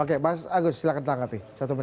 oke mas agus silahkan tanggapi